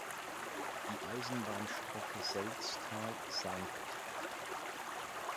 Die Eisenbahnstrecke Selzthal–St.